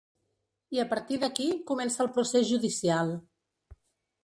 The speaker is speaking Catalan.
I a partir d’aquí comença el procés judicial.